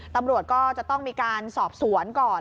ตำรวจก็จะต้องมีการสอบสวนก่อน